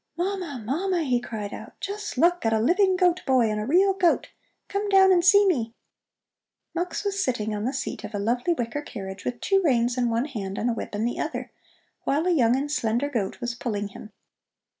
"Mama, Mama," he cried out, "just look at a living goat boy and a real goat! Come down and see me!" Mux was sitting on the seat of a lovely wicker carriage, with two reins in one hand and a whip in the other, while a young and slender goat was pulling him.